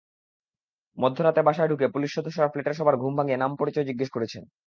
মধ্যরাতে বাসায় ঢুকে পুলিশ সদস্যরা ফ্ল্যাটের সবার ঘুম ভাঙিয়ে নাম-পরিচয় জিজ্ঞেস করেছেন।